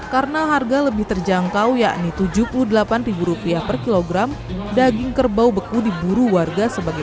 karena harga lebih terjangkau yakni tujuh puluh delapan rupiah per kilogram daging kerbau beku diburu warga sebagai